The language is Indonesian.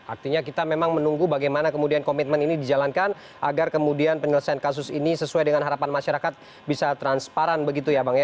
artinya kita memang menunggu bagaimana kemudian komitmen ini dijalankan agar kemudian penyelesaian kasus ini sesuai dengan harapan masyarakat bisa transparan begitu ya bang ya